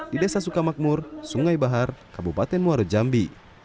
di desa sukamakmur sungai bahar kabupaten muarajambi